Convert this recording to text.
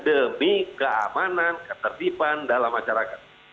demi keamanan ketertiban dalam masyarakat